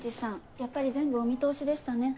やっぱり全部お見通しでしたね。